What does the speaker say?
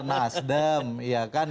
nasdem ya kan